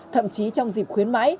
thậm chí trong dịp khuyến mãi